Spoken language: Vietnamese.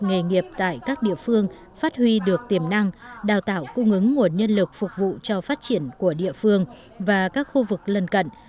nghề nghiệp tại các địa phương phát huy được tiềm năng đào tạo cung ứng nguồn nhân lực phục vụ cho phát triển của địa phương và các khu vực lân cận